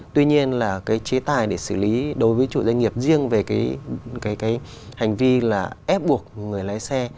tuy nhiên là cái chế tài để xử lý đối với chủ doanh nghiệp riêng về cái hành vi là ép buộc người lái xe